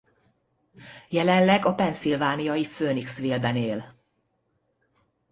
Jelenleg a pennsylvaniai Phoenixville-ben él.